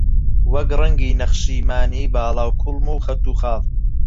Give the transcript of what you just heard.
وەک ڕەنگی نەخشی مانی، باڵا و کوڵم و خەت و خاڵ